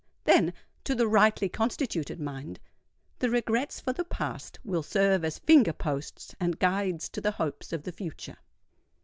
Then, to the rightly constituted mind, the regrets for the past will serve as finger posts and guides to the hopes of the future.